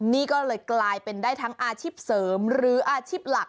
นี่ก็เลยกลายเป็นได้ทั้งอาชีพเสริมหรืออาชีพหลัก